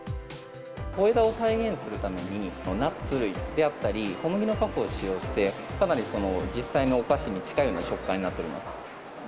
小枝を再現するために、ナッツ類であったり、小麦のパフを使用して、かなり実際のお菓子に近いような食感になっております。